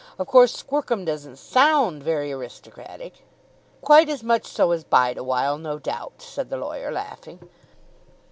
Of course Squercum doesn't sound very aristocratic." "Quite as much so as Bideawhile, no doubt," said the lawyer laughing.